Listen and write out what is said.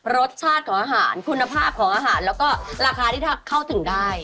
ราคาที่ค่อนไปเป็นการเข้าถึงได้